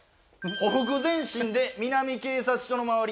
「ほふく前進で南警察署の周り